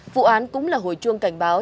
vụ án cũng là hồi chuông cảnh báo